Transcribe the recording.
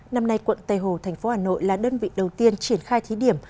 năm nay quận tây hồ thành phố hà nội là đơn vị đầu tiên triển khai thí điểm